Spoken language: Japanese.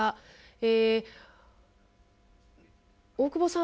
え大久保さん